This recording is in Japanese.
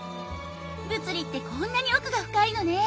物理ってこんなに奥が深いのね。